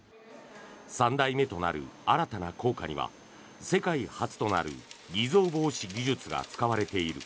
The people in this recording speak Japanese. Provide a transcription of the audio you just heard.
３代目となる新たな硬貨には世界初となる偽造防止技術が使われている。